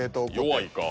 弱いか。